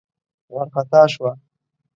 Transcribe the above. وار خطا شوه.